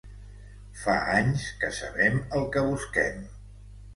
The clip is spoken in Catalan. Fa anys que sabem el que busquem.